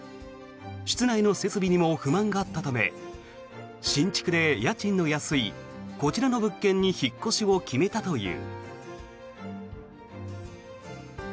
室内の設備にも不満があったため新築で家賃の安いこちらの物件に引っ越しを決めたという。